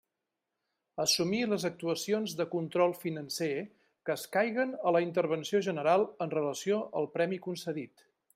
Assumir les actuacions de control financer que escaiguen a la Intervenció General en relació al premi concedit.